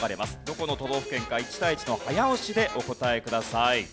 どこの都道府県か１対１の早押しでお答えください。